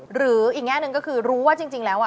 หรืออีกแง่หนึ่งก็คือรู้ว่าจริงแล้ว